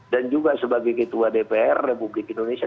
dan juga sebagai ketua dpr republik indonesia